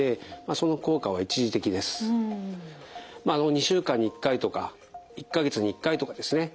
２週間に１回とか１か月に１回とかですね